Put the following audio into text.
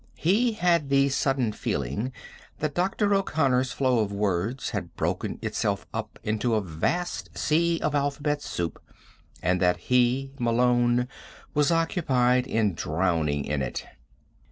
He had the sudden feeling that Dr. O'Connor's flow of words had broken itself up into a vast sea of alphabet soup, and that he, Malone, was occupied in drowning in it.